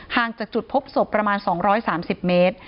จากจุดพบศพประมาณ๒๓๐เมตร